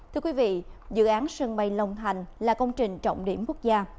thưa quý vị dự án sân bay long thành là công trình trọng điểm quốc gia